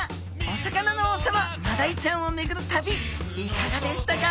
お魚の王様マダイちゃんをめぐる旅いかがでしたか？